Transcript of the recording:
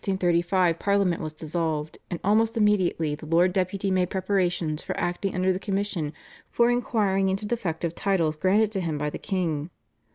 In April 1635 Parliament was dissolved, and almost immediately the Lord Deputy made preparations for acting under the commission for inquiring into defective titles granted to him by the king.